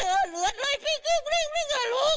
เหลือเลยปีกบลิ้งอ่ะ